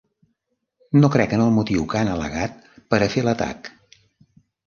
No crec en el motiu que han al·legat per a fer l'atac.